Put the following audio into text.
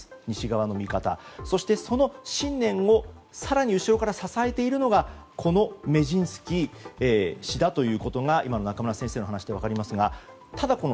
西側の見方、そしてその信念を更に後ろから支えているのがメジンスキー氏だということが今の中村先生の話で分かりますがただ、